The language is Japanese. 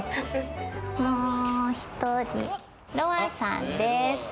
もう１人、ロワさんです。